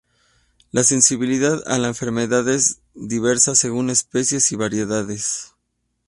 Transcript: La sensibilidad a la enfermedad es diversa según especies y variedades.